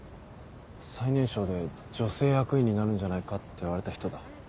最年少で女性役員になるんじゃないかっていわれた人だ。